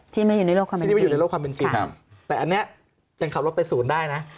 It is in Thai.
ที่ไม่อยู่ในโลกความเป็นจริงแต่อันนี้ยังขับรถไปศูนย์ได้นะ